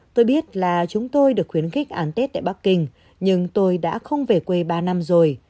tôi biết là chúng tôi được khuyến khích ăn tết tại bắc kinh nhưng tôi đã không về quê ba năm rồi